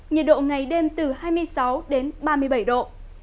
nhiệt độ ngày đêm từ hai mươi sáu đến ba mươi bảy độ